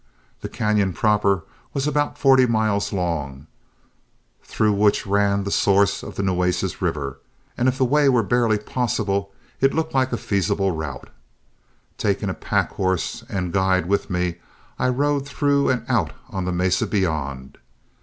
The cañon proper was about forty miles long, through which ran the source of the Nueces River, and if the way were barely possible it looked like a feasible route. Taking a pack horse and guide with me, I rode through and out on the mesa beyond.